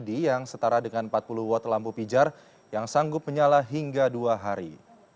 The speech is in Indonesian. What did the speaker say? di yang setara dengan empat puluh watt lampu pijar yang sanggup menyala hingga dua hari